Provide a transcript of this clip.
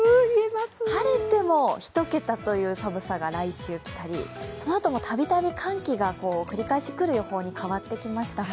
晴れても１桁という寒さが来週、来たりそのあとも、たびたび寒気が繰り返し来る予報に変わってきました。